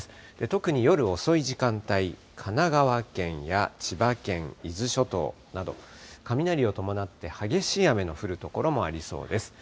特に夜遅い時間帯、神奈川県や千葉県、伊豆諸島など、雷を伴って、激しい雨の降る所もありそうです。